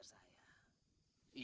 mereka malah mengusir saya